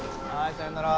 さようなら。